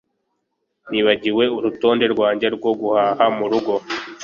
Nibagiwe urutonde rwanjye rwo guhaha murugo